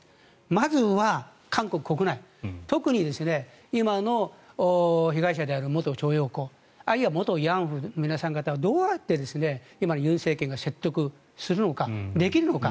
まずは韓国国内特に今の被害者である元徴用工あるいは元慰安婦の皆さん方はどうやって今の尹政権を説得するのか、できるのか。